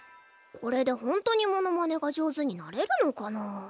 これでホントにモノマネが上手になれるのかな？